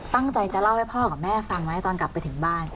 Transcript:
ตั้งใจจะเล่าให้พ่อกับแม่ฟังไหมตอนกลับไปถึงบ้าน